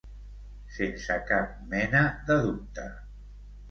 Sense cap mena de dubte.